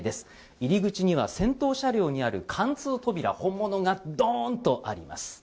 入り口には戦闘車両にある貫通扉、本物がドーンとあります。